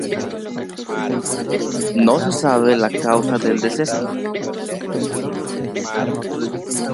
No se sabe la causa del deceso.